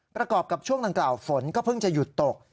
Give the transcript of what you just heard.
ประกอบกับช่วงดังกล่าวฝนก็เพิ่งจะหยุดตก